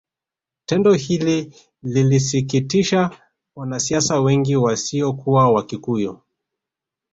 Tendo hili lilisikitisha wanasiasa wengi wasiokuwa Wakikuyu